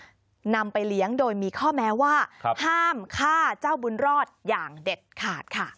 ก็นำไปเลี้ยงโดยมีข้อแม้ว่าห้ามฆ่าเจ้าบุญรอดอย่างเด็ดขาดค่ะ